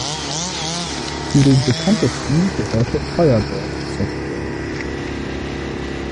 Zu den bekanntesten gehörte Firebird Software.